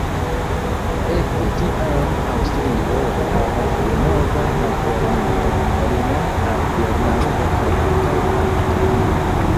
Ekde tiam Aŭstrio havas denova malfermitan limon al Germanio kaj ankaŭ al Italio.